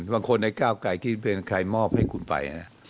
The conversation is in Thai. บางคนในก้าวไกลคิดเป็นใครมอบให้คุณไปนะ